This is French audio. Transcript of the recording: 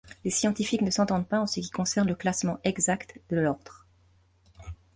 Les scientifiques ne s'entendent pas en ce qui concerne le classement exact de l'ordre.